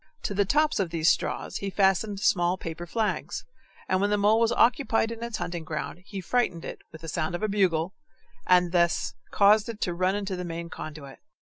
To the tops of these straws he fastened small paper flags, and when the mole was occupied in its hunting ground, he frightened it with the sound of a bugle, and thus caused it to run into the main conduit.